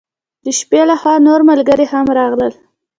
د شپې له خوا نور ملګري هم راغلل.